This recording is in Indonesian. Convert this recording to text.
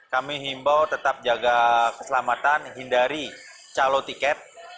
kami himbau tetap jaga keselamatan hindari calo tiket